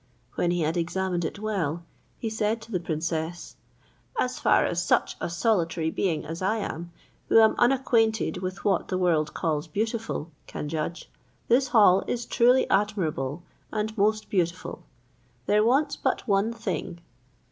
When he had examined it well, he said to the princess, "As far as such a solitary being as I am, who am unacquainted with what the world calls beautiful, can judge, this hall is truly admirable and most beautiful; there wants but one thing."